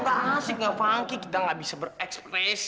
nggak asik nggak funky kita nggak bisa berekspresi